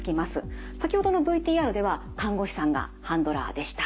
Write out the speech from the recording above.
先ほどのＶＴＲでは看護師さんがハンドラーでした。